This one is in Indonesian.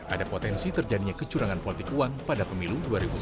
ada potensi terjadinya kecurangan politik uang pada pemilu dua ribu sembilan belas